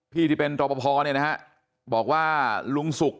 พี่ที่เป็นตรพพอเนี่ยนะครับบอกว่าลุงสุก